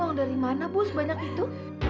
uang dari mana bu sebanyak itu